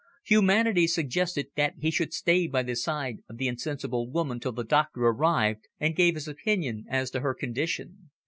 Humanity suggested that he should stay by the side of the insensible woman till the doctor arrived and gave his opinion as to her condition.